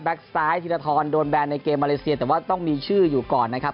ซ้ายธีรทรโดนแบนในเกมมาเลเซียแต่ว่าต้องมีชื่ออยู่ก่อนนะครับ